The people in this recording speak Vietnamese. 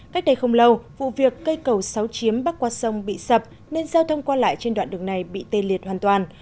cách đây không lâu vụ việc cây cầu sáu chiếm bắc qua sông bị sập nên giao thông qua lại trên đoạn đường này bị tê liệt hoàn toàn